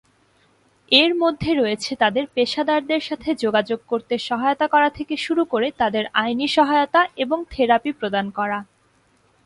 এর মধ্যে রয়েছে তাদের পেশাদারদের সাথে যোগাযোগ করতে সহায়তা করা থেকে শুরু করে তাদের আইনি সহায়তা এবং থেরাপি প্রদান করা।